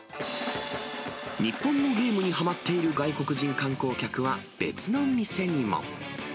日本のゲームにはまっている外国人観光客は別の店にも。